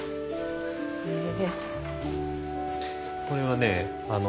これはね